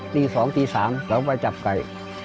ตี๒ตี๓เรามาจับไก่